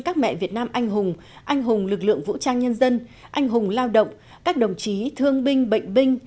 các mẹ việt nam anh hùng anh hùng lực lượng vũ trang nhân dân anh hùng lao động các đồng chí thương binh bệnh binh